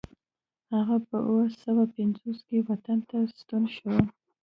هغه په اوه سوه پنځوس کې وطن ته ستون شو.